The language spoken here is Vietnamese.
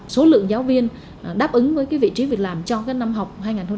số lượng giáo viên đáp ứng với vị trí việc làm cho năm học hai nghìn hai mươi hai nghìn hai mươi